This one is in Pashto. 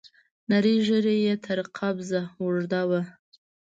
نرۍ ږيره يې تر قبضه اوږده وه.